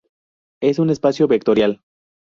Es un espacio vectorial.